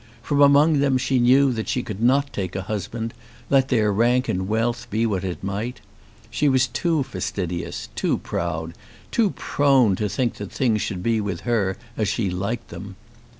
From among them she knew that she could not take a husband, let their rank and wealth be what it might. She was too fastidious, too proud, too prone to think that things should be with her as she liked them!